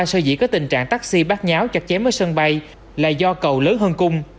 sở dĩ có tình trạng taxi bác nháo chặt chém ở sân bay là do cầu lớn hơn cung